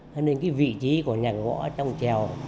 thế nên cái vị trí của nhạc gõ trong trèo